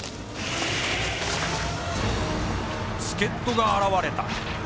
助っとが現れた。